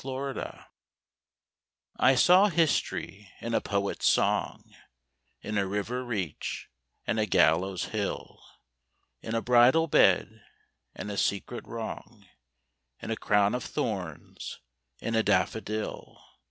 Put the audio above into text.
SYMBOLS I saw history in a poet's song, In a river reach and a gallows hill, In a bridal bed, and a secret wrong, In a crown of thorns: in a daffodil.